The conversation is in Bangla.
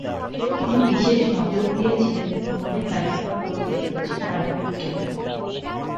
তিনি বিশেষ নজর দিয়েছিলেন ইবনে তাইমিয়াহ কর্তৃক রচিত আইনবিজ্ঞানে।